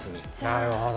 なるほど。